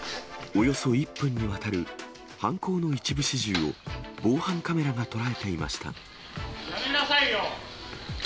およそ１分にわたる犯行の一部始終を、防犯カメラが捉えていやめなさいよ！